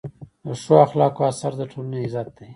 د ښو اخلاقو اثر د ټولنې عزت دی.